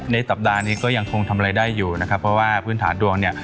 สัปดาห์นี้ก็ยังคงทำอะไรได้อยู่นะครับเพราะว่าพื้นฐานดวงเนี่ย